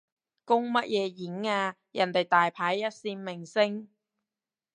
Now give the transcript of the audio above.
公乜嘢演啊，人哋大牌一線明星